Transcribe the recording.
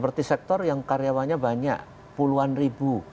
seperti sektor yang karyawannya banyak puluhan ribu